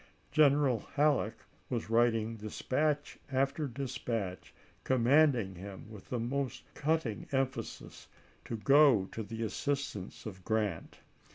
General Halleck was writing dispatch after dispatch x commanding him with the most cutting emphasis to go to the assistance of Grant.